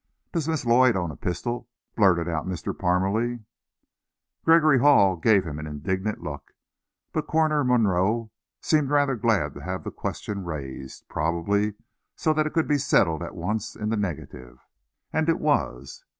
"Does Miss Lloyd own a pistol?" blurted out Mr. Parmalee. Gregory Hall gave him an indignant look, but Coroner Monroe seemed rather glad to have the question raised probably so that it could be settle at once in the negative. And it was.